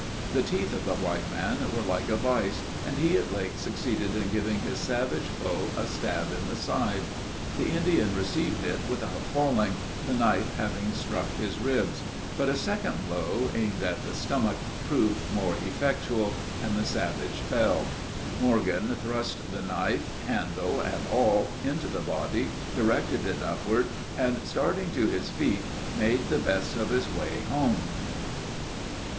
The teeth of the white man were like a vice, and he at length succeeded in giving his savage foe a stab in the side. The Indian received it without falling, the knife having struck his ribs; but a second blow, aimed at the stomach, proved more effectual, and the savage fell. Morgan thrust the knife, handle and all, into the body, directed it upward, and, starting to his feet, made the best of his way home.